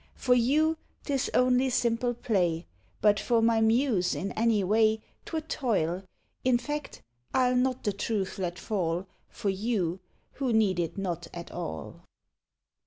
For you 'tis only simple play; But for my muse in any way 'Twere toil. In fact, I'll not the truth let fall For you, who need it not at all.